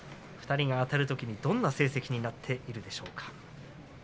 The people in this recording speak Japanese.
２人が対戦するときどんな成績になっているでしょうか。